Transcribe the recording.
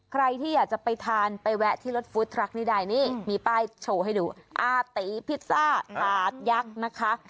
ใครที่อยากจะไปทานไปแวะที่รถฟู้ดทรัคนี่ได้นี่มีป้ายโชว์ให้ดูอาตีพิซซ่าถาดยักษ์นะคะ